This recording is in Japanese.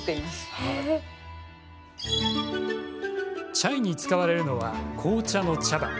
チャイに使われるのは紅茶の茶葉。